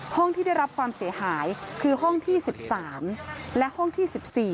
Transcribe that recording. ห้องที่ได้รับความเสียหายคือห้องที่๑๓และห้องที่๑๔